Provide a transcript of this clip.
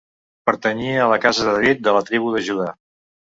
Pertanyia a la Casa de David, de la tribu de Judà.